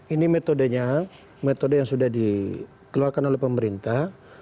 ini metodenya metode yang sudah dikeluarkan oleh pemerintah